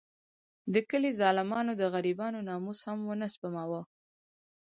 د کلي ظالمانو د غریبانو ناموس هم ونه سپماوه.